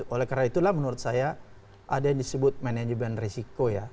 oleh karena itulah menurut saya ada yang disebut manajemen risiko ya